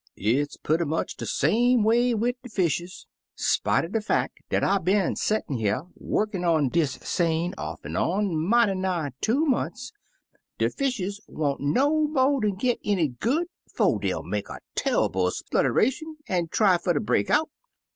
"It's purty much de same way wid de fishes. Spite er de fack dat I been settin' here workin' on dis seine off an' on mighty nigh two mont's, de fishes won't no mo' dan git in it good 'fo' dey '11 make a tumble splutteration, an' try fer ter break out."